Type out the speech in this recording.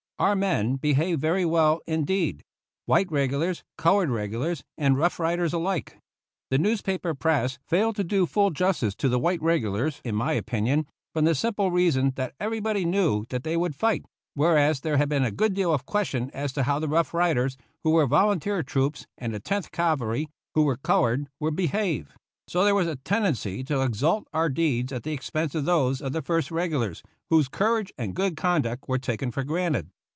Our men behaved very well indeed — white regulars, colored regulars, and Rough Riders alike. The newspa per press failed to do full justice to the white regulars, in my opinion, from the simple reason that everybody knew that they would fight, where as there had been a good deal of question as to how the Rough Riders, who were volunteer troops, and the Tenth Cavalry, who were colored, would behave; so there was a tendency to exalt our 103 THE ROUGH RIDERS deeds at the expense of those of the First Regu lars, whose courage and good conduct were taken for granted.